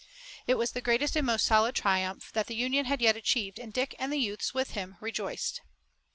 It was the greatest and most solid triumph that the Union had yet achieved and Dick and the youths with him rejoiced.